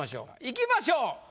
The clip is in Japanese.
いきましょう。